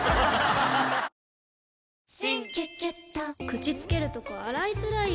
口つけるとこ洗いづらい！